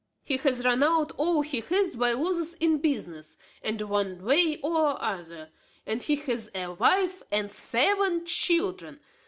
He hath run out all he hath by losses in business, and one way or other; and he hath a wife and seven children.